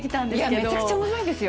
いやめちゃくちゃ面白いんですよ。